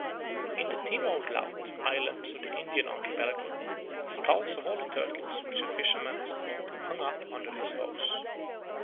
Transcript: In the Timor laut islands of the Indian Archipelago the skulls of all the turtles which a fisherman has caught are hung up under his house.